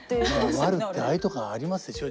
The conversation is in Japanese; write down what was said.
まあワルってああいうとこがありますでしょ。